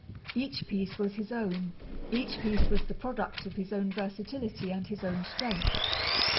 Each piece was his own, each piece was the product of his own versatility and his own strength.